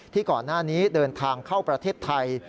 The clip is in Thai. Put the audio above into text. ก่อนหน้านี้เดินทางเข้าประเทศไทย